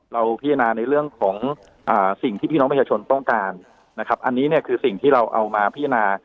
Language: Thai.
เราพิจารณาในเรื่องของสิ่งที่พี่น้องประชาชนต้องการนะครับอันนี้เนี่ยคือสิ่งที่เราเอามาพิจารณา